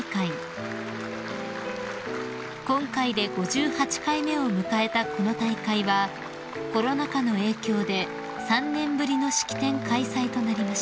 ［今回で５８回目を迎えたこの大会はコロナ禍の影響で３年ぶりの式典開催となりました］